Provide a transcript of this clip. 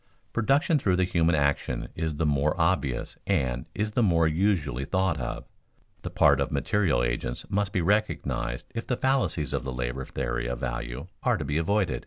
Production through human action is the more obvious and is the more usually thought of; the part of material agents must be recognized if the fallacies of the labor theory of value are to be avoided.